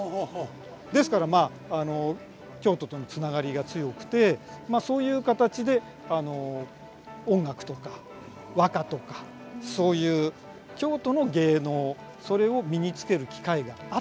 ですからまあ京都とのつながりが強くてそういう形で音楽とか和歌とかそういう京都の芸能それを身につける機会があったというふうに考えられます。